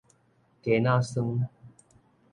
雞那霜